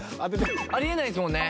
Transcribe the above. あり得ないんですもんね。